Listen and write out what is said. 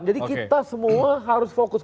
jadi kita semua harus fokus